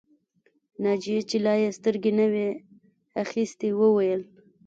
ناجيې چې لا يې سترګې نه وې اخيستې وویل